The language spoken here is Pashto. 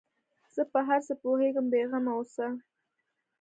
زه په هر څه پوهېږم بې غمه اوسه.